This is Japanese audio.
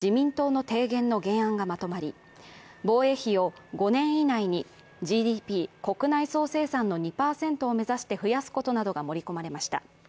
防衛政策に関する自民党の提言の原案がまとまり、防衛費を５年以内にＧＤＰ＝国内総生産の２％を目指して増やすことなどが盛り込まれました。